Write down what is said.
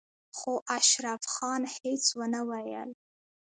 خو اشرف خان هېڅ ونه ويل.